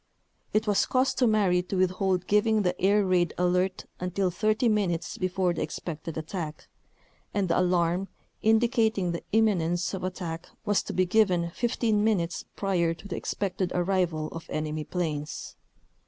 It was cus tomary to withhold giving the air raid "alert" until 30 minutes before the expected attack, and the "alarm" indicating the imminence of at tack was to be given 15 minutes prior to the ex pected arrival of enemy planes.